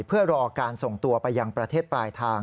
เพื่อรอการส่งตัวไปยังประเทศปลายทาง